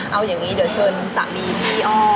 เอาอย่างนี้เดี๋ยวเชิญสามีพี่อ้อมาคุยด้วยเลยค่ะ